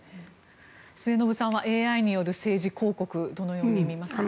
末延さんはＡＩによる政治広告どのように見ますか？